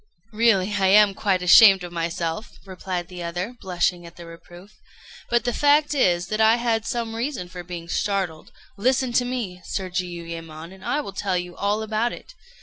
"Really I am quite ashamed of myself," replied the other, blushing at the reproof; "but the fact is that I had some reason for being startled. Listen to me, Sir Jiuyémon, and I will tell you all about it.